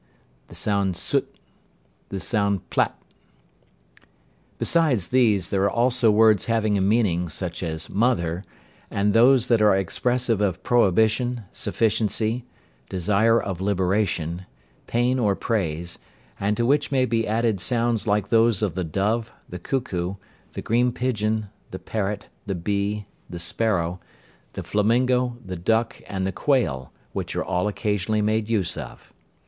The sound Sût. The sound Plât. Besides these, there are also words having a meaning, such as "mother," and those that are expressive of prohibition, sufficiency, desire of liberation, pain or praise, and to which may be added sounds like those of the dove, the cuckoo, the green pigeon, the parrot, the bee, the sparrow, the flamingo, the duck, and the quail, which are all occasionally made use of.